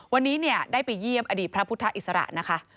วันนี้ได้ไปเยี่ยมอดีตพระพุทธอิสระนะคะ